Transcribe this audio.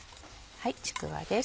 ちくわです。